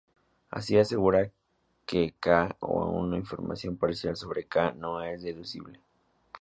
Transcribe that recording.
Así asegura que "k" o aún información parcial sobre "k" no es deducible.